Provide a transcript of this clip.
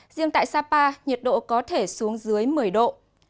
riêng tại sapa nhiệt độ có thể xuống dưới một mươi độ